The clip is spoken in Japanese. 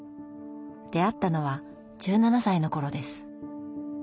出会ったのは１７歳の頃です。